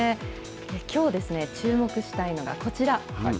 きょう、注目したいのがこちら。